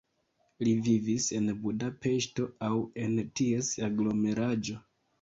Li vivis en Budapeŝto aŭ en ties aglomeraĵo.